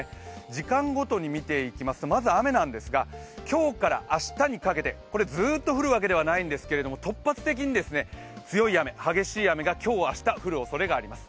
時間ごとに見ていきますとまず雨なんですが、今日から明日にかけてずっと降るわけではないんですが、突発的に強い雨、激しい雨が今日、明日降る可能性があります。